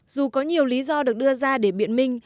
dù có nhiều lý do được đưa ra để biện minh